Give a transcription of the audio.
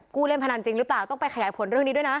เล่นพนันจริงหรือเปล่าต้องไปขยายผลเรื่องนี้ด้วยนะ